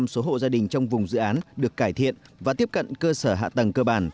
chín mươi bảy số hộ gia đình trong vùng dự án được cải thiện và tiếp cận cơ sở hạ tầng cơ bản